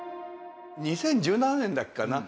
２０１７年だっけかな。